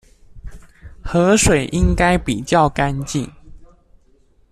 河水應該比較乾淨